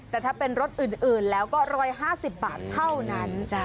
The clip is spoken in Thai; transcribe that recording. แต่ถ้าเป็นรถอื่นแล้วก็๑๕๐บาทเท่านั้น